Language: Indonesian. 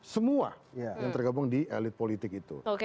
semua yang tergabung di elit politik itu